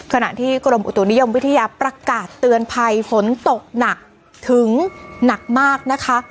ขณะที่กรมอุตุนิยมวิทยาประกาศเตือนภัยฝนตกหนักถึงหนักมากนะคะ